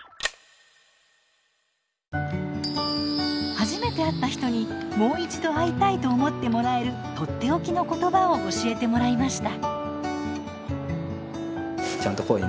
初めて会った人にもう一度会いたいと思ってもらえるとっておきの言葉を教えてもらいました。